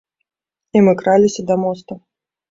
І мы краліся да моста.